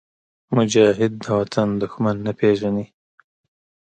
مجاهد د وطن دښمن نه پېژني.